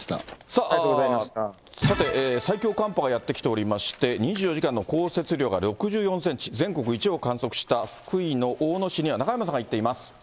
さて、最強寒波がやって来ておりまして、２４時間の降雪量が６４センチ、全国一を観測した福井の大野市には、中山さんが行っています。